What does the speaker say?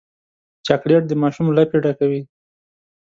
چاکلېټ د ماشوم لپې ډکوي.